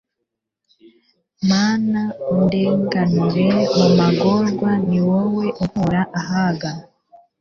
mana indenganura; mu magorwa ni wowe unkura ahaga